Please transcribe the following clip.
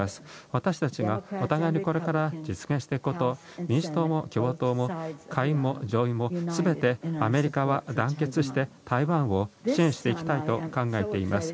私たちがお互いにこれから実現していくこと民主党も共和党も下院も上院も全てアメリカは団結して台湾を支援していきたいと考えています。